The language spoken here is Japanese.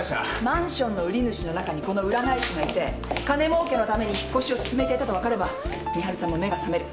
マンションの売主の中にこの占い師がいて金もうけのために引越しを勧めていたと分かれば美晴さんも目が覚める。